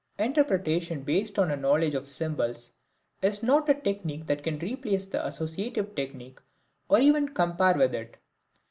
Interpretation based on a knowledge of symbols is not a technique that can replace the associative technique, or even compare with it.